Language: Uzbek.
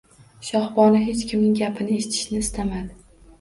Shohbonu hech kimning gapini eshitishni istamasdi